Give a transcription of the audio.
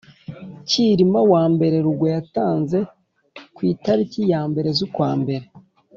Cyilima I Rugwe yatanze ku itariki ya mbere zukwambere